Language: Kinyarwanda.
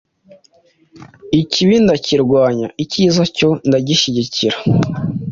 Ikibi ndakirwanya icyiza cyo ndagishyigikira